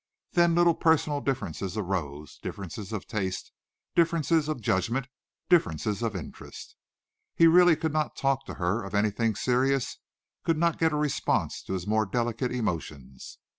Then little personal differences arose, differences of taste, differences of judgment, differences of interest. He really could not talk to her of anything serious, could not get a response to his more delicate emotions.